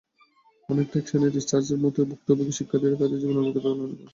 অনেকটা অ্যাকশন রিসার্চের মতোই, ভুক্তভোগী শিক্ষার্থীরা তাঁদের জীবনের অভিজ্ঞতা বর্ণনা করেন।